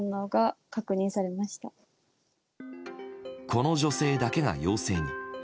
この女性だけが陽性に。